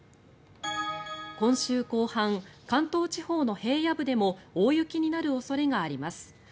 今週後半、関東地方の平野部でも大雪になる恐れがあります。